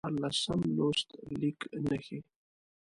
څوارلسم لوست: لیک نښې